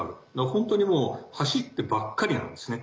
本当にもう走ってばっかりなんですね。